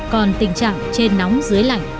còn tình trạng trên nóng dưới lạnh